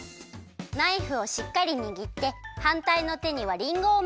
ナイフをしっかりにぎってはんたいのてにはりんごをもちます。